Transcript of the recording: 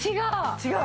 違う？